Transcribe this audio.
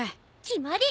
決まり！